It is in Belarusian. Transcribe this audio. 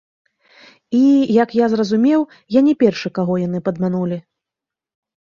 І, як я зразумеў, я не першы, каго яны падманулі.